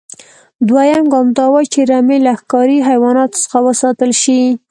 دویم ګام دا و چې رمې له ښکاري حیواناتو څخه وساتل شي.